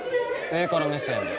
上から目線で。